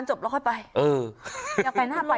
โอ้เดี๋ยวทำงานจบแล้วค่อยไป